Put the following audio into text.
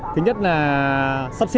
thứ nhất là sắp xếp